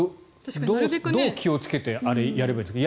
どう気をつけてあれ、やればいいんですか？